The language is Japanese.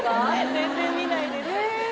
全然見ないですへえ